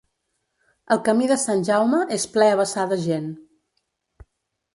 El camí de Sant Jaume és ple a vessar de gent.